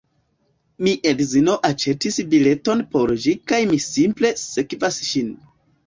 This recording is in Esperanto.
Mi edzino aĉetis bileton por ĝi kaj mi simple sekvas ŝin